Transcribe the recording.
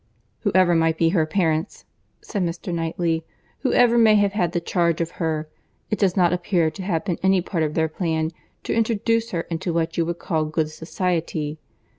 "Whoever might be her parents," said Mr. Knightley, "whoever may have had the charge of her, it does not appear to have been any part of their plan to introduce her into what you would call good society.